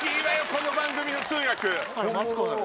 この番組の通訳。